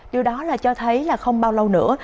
điều đó là cho thấy là không bao lâu nữa